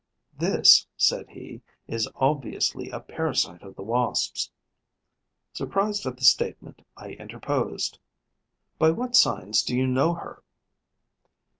'This,' said he, 'is obviously a parasite of the Wasps.' Surprised at the statement, I interposed: 'By what signs do you know her?'